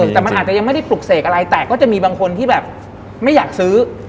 แต่มันอาจจะยังไม่ได้ปลุกเสกอะไรแต่ก็จะมีบางคนที่แบบไม่อยากซื้อ